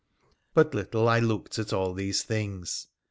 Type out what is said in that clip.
But little I looked at all these things.